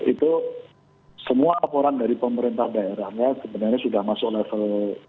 itu semua laporan dari pemerintah daerahnya sebenarnya sudah masuk level